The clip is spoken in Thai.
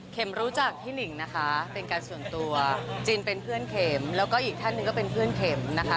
รู้จักพี่หนิ่งนะคะเป็นการส่วนตัวจินเป็นเพื่อนเข็มแล้วก็อีกท่านหนึ่งก็เป็นเพื่อนเข็มนะคะ